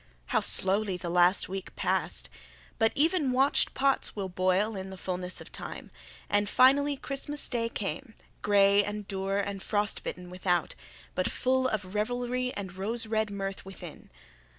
How slowly the last week passed! But even watched pots will boil in the fulness of time, and finally Christmas day came, gray and dour and frost bitten without, but full of revelry and rose red mirth within.